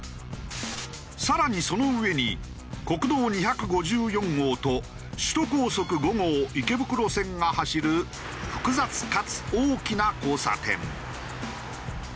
更にその上に国道２５４号と首都高速５号池袋線が走る複雑かつ大きな交差点。